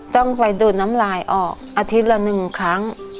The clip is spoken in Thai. ต้องไปดูดน้ำลายออกอาทิตย์ละ๑ครั้ง